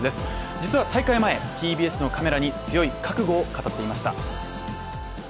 実は大会前、ＴＢＳのカメラに強い覚悟を語っていました。